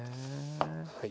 はい。